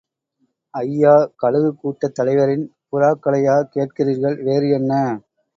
ஐயா, கழுகுக் கூட்டுத் தலைவரின் புறாக்களையா கேட்கிறீர்கள்? வேறு என்ன?